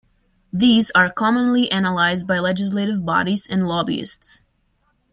Theses are commonly analyzed by legislative bodies and lobbyists.